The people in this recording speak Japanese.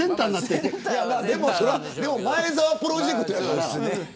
でも前澤プロジェクトやから。